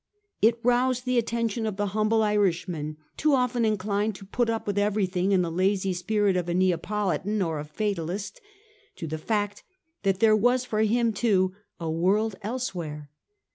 It roused the attention of the humble Irish man, too often inclined to put up with everything in the lazy spirit of a Neapolitan or a fatalist, to the fact that there was for him too a world elsewhere.